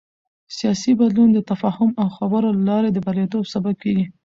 سیاسي بدلون د تفاهم او خبرو له لارې د بریالیتوب سبب کېږي